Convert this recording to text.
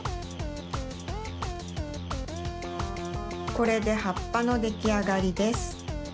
これではっぱのできあがりです。